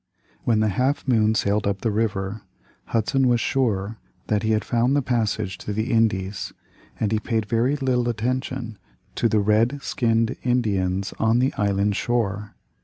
When the Half Moon sailed up the river, Hudson was sure that he had found the passage to the Indies, and he paid very little attention to the red skinned Indians on the island shore.